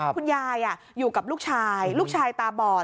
คุณยายอยู่กับลูกชายลูกชายตาบอด